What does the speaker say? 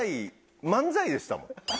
漫才でしたもん。